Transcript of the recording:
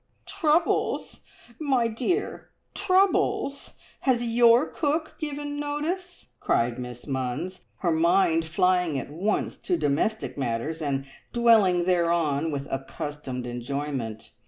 "Troubles, my dear troubles? Has your cook given notice?" cried Miss Munns, her mind flying at once to domestic matters, and dwelling thereon with accustomed enjoyment.